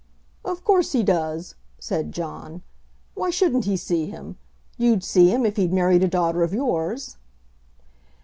"Of course he does," said John. "Why shouldn't he see him? You'd see him if he'd married a daughter of yours."